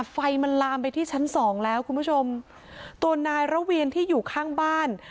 ไฟมันลามไปที่ชั้นสองแล้วคุณผู้ชมตัวนายระเวียนที่อยู่ข้างบ้าน